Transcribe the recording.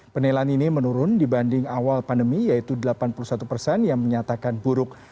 penilaian ini menurun dibanding awal pandemi yaitu delapan puluh satu persen yang menyatakan buruk